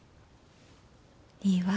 いいわ。